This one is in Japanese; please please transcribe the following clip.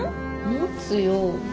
持つよ。